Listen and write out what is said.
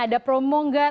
ada promo enggak